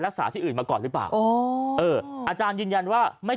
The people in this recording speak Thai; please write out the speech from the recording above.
ที่อื่นมาก่อนหรือเปล่าอ๋อเอออาจารย์ยืนยันว่าไม่